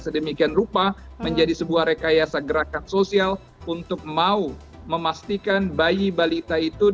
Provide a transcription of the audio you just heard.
sedemikian rupa menjadi sebuah rekayasa gerakan sosial untuk mau memastikan bayi balita itu